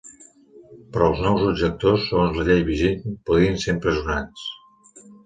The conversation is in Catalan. Però els nous objectors, segons la llei vigent, podien ser empresonats.